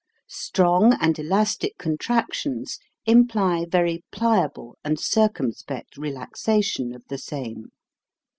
Strong and elastic contractions imply very pliable and circumspect relaxation of the same.